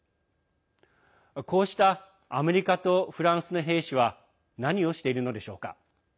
こうしたアメリカとフランスの兵士は何をしているのでしょうか。